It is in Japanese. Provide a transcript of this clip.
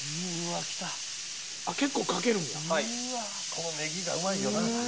このネギがうまいよな。